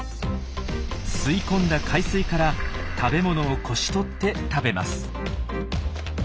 吸い込んだ海水から食べ物をこし取って食べます。